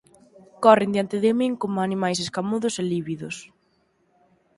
Corren diante de min coma animais escamudos e lívidos.